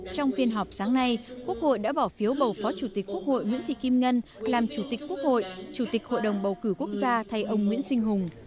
trong phiên họp sáng nay quốc hội đã bỏ phiếu bầu phó chủ tịch quốc hội nguyễn thị kim ngân làm chủ tịch quốc hội chủ tịch hội đồng bầu cử quốc gia thay ông nguyễn sinh hùng